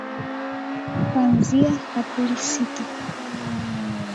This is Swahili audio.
kuanzia Aprili sita